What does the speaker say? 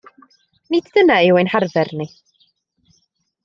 Nid dyna yw ein harfer ni.